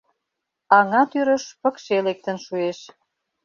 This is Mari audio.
Аҥа тӱрыш пыкше лектын шуэш.